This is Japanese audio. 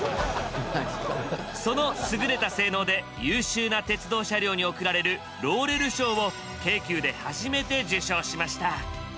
その優れた性能で優秀な鉄道車両に贈られるローレル賞を京急で初めて受賞しました。